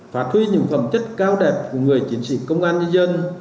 phá thuy những phẩm chất cao đẹp của người chính sĩ công an nhân dân